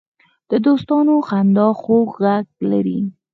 د دوستانو خندا خوږ غږ لري